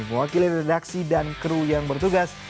mewakili redaksi dan kru yang bertugas